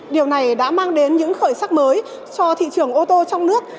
điều này đã mang đến những khởi sắc mới cho thị trường ô tô trong nước